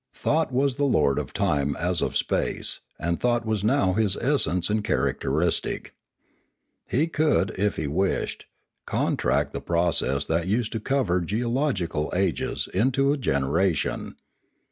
Thought was the lord of time as of space, and thought was now his essence and characteristic. He could, if he wished, contract the process that used to cover geological ages into a gen eration.